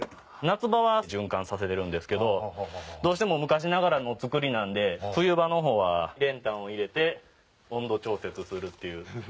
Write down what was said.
夏場は循環させてるんですけどどうしても昔ながらの造りなんで冬場の方は練炭を入れて温度調節するっていう。